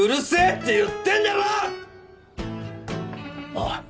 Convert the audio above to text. おい！